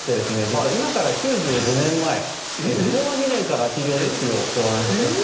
実は今から９５年前昭和２年から企業レシピを考案しております。